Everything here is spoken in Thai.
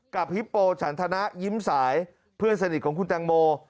ฮิปโปฉันธนะยิ้มสายเพื่อนสนิทของคุณแตงโม